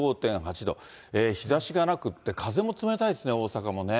日ざしがなくて風も冷たいですね、大阪もね。